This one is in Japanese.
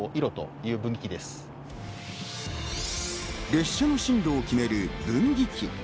列車の進路を決める分岐器。